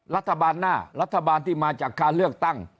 รัฐบาลหน้ารัฐบาลที่มาจากการเลือกตั้ง